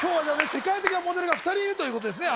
世界的なモデルが２人いるということですね